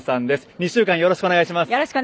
２週間、よろしくお願いします。